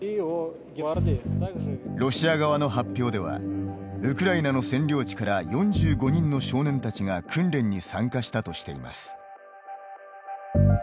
ロシア側の発表ではウクライナの占領地から４５人の少年たちが訓練に参加したとしています。